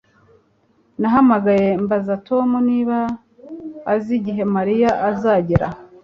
Nahamagaye mbaza Tom niba azi igihe Mariya azagera